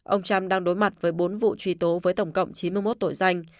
ông trump đang đối mặt với bốn vụ truy tố với tổng cộng chín mươi một tội danh